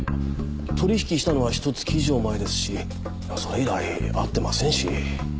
取引したのはひと月以上前ですしそれ以来会ってませんし。